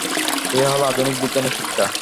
এই হল আধুনিক বিজ্ঞানের শিক্ষা।